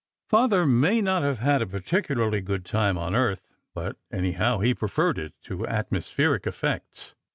Father may not have had a particularly good time on earth, but anyhow, he preferred it to atmospheric effects.